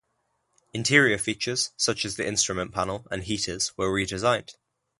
Interior features such as the instrument panel, and heaters were redesigned.